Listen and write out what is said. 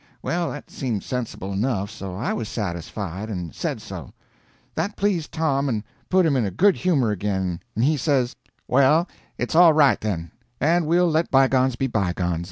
Well, that seemed sensible enough, so I was satisfied, and said so. That pleased Tom and put him in a good humor again, and he says: "Well, it's all right, then; and we'll let bygones be bygones.